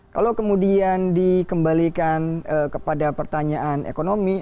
kalau kemudian dikembalikan kepada pertanyaan ekonomi